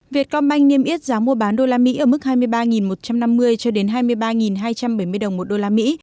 việtcombank niêm yết giá mua bán đô la mỹ ở mức hai mươi ba một trăm năm mươi cho đến hai mươi ba hai trăm bảy mươi đồng một đô la mỹ